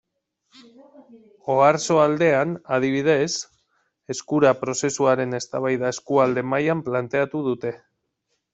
Oarsoaldean, adibidez, Eskura prozesuaren eztabaida eskualde mailan planteatu dute.